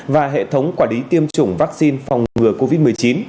và hệ thống quản lý tiêm chủng vaccine phòng ngừa covid một mươi chín